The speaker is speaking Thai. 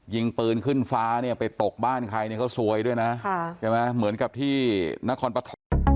ยิงปืนขึ้นฟ้าเนี่ยไปตกบ้านใครเนี่ยเขาซวยด้วยนะใช่ไหมเหมือนกับที่นครปฐม